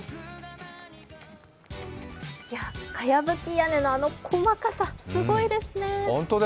屋根のあの細かさ、すごいですね。